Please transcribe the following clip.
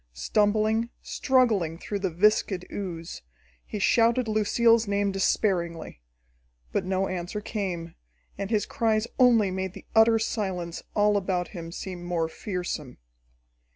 Stumbling, struggling through the viscid ooze, he shouted Lucille's name despairingly. But no answer came, and his cries only made the utter silence all about him seem more fearsome.